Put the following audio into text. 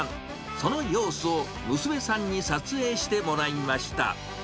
その様子を娘さんに撮影してもらいました。